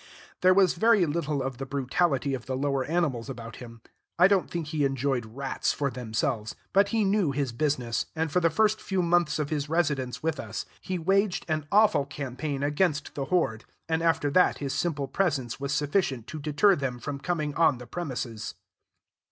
There was very little of the brutality of the lower animals about him; I don't think he enjoyed rats for themselves, but he knew his business, and for the first few months of his residence with us he waged an awful campaign against the horde, and after that his simple presence was sufficient to deter them from coming on the premises.